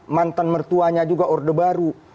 mantan mertuanya juga orde baru